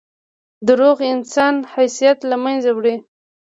• دروغ د انسان حیثیت له منځه وړي.